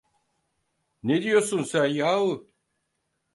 Ne diyorsun sen yahu?